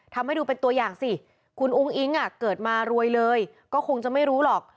ทำให้ดูเป็นตัวอย่างสิคุณอุ้งอิ๊งอ่ะเกิดมารวยเลยก็คงจะไม่รู้หรอก